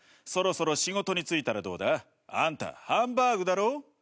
そろそろ仕事に就いたらどうだ？あんたハンバーグだろ？